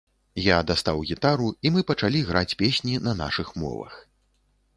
Я дастаў гітару, і мы пачалі граць песні на нашых мовах.